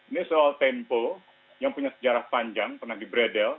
ini soal tempo yang punya sejarah panjang pernah diberedel